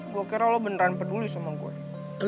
gue kira lo beneran peduli sama gue